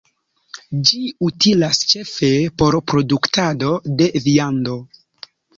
Ĝi utilas ĉefe por produktado de viando.